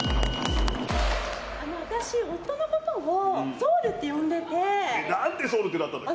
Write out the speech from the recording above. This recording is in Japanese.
私、夫のことをソウルって読んでて何でソウルってなったんだっけ？